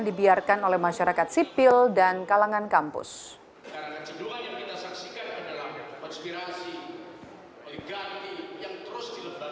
dibiarkan oleh masyarakat sipil dan kalangan kampus yang terus dilakukan